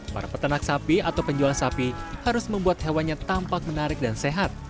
para peternak sapi atau penjual sapi harus membuat hewannya tampak menarik dan sehat